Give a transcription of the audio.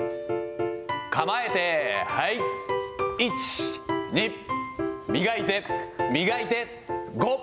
構えて、はい、１、２、磨いて、磨いて、５。